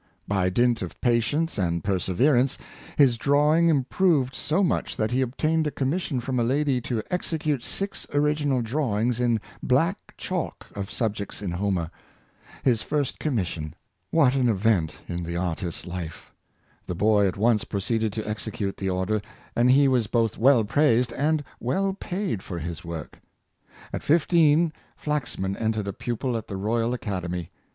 By dint of patience and perseverance his drawing improved so much that he obtained a com mission from a lady to execute six original drawings in black chalk of subjects in Homer. His first commis sion! What an event in the artist's life! The boy at once proceeded to execute the order, and he was both well praised and well paid for his work. At fifteen Flax man entered a pupil at the Royal Academy.